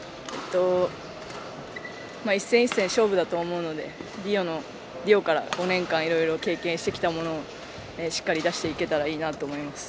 一戦一戦勝負だと思うのでリオから５年間いろいろ経験してきたものをしっかり出していければいいなと思います。